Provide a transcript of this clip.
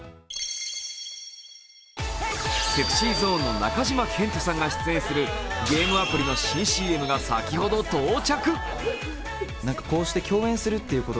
ＳｅｘｙＺｏｎｅの中島健人さんが出演するゲームアプリの新ＣＭが先ほど到着。